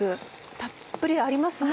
たっぷりありますね。